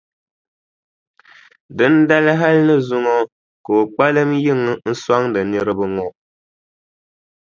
Dindali hali ni zuŋɔ ka o kpalim yiŋa n-sɔŋdi niriba ŋɔ.